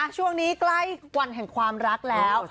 ช่วงนี้ใกล้วันแห่งความรักแล้ว